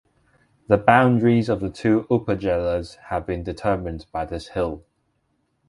The boundaries of the two upazilas have been determined by this hill.